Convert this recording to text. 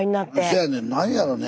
せやねんなんやろね。